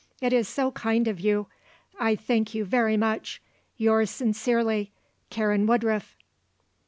It is so kind of you. I thank you very much. Yours sincerely, "Karen Woodruff."